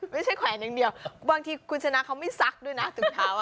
แขวนอย่างเดียวบางทีคุณชนะเขาไม่ซักด้วยนะถุงเท้า